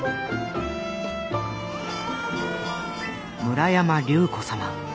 「村山隆子様。